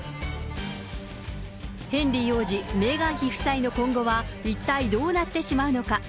ヘンリー王子、メーガン妃夫妻の今後は一体どうなってしまうのか。